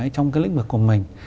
trong cái lĩnh vực của mình